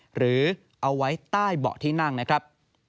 หรือเอาไว้ใต้เบาะที่นั่งนะครับ